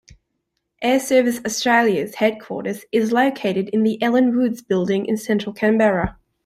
Airservices Australia's headquarters is located in the Alan Woods Building in central Canberra.